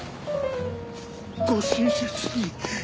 ご親切に。